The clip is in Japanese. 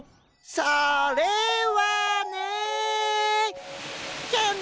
それはね。